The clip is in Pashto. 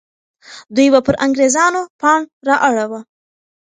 دوی به پر انګریزانو پاڼ را اړوه.